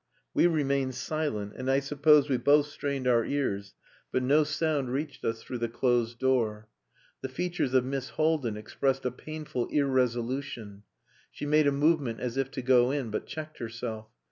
We remained silent, and I suppose we both strained our ears, but no sound reached us through the closed door. The features of Miss Haldin expressed a painful irresolution; she made a movement as if to go in, but checked herself.